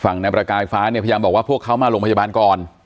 นายประกายฟ้าเนี่ยพยายามบอกว่าพวกเขามาโรงพยาบาลก่อน